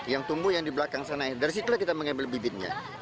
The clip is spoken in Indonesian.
yang tumbuh yang di belakang sana dari situlah kita mengambil bibitnya